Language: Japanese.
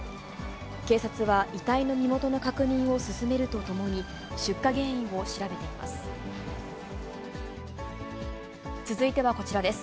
警察は遺体の身元の確認を進めるとともに、出火原因を調べています。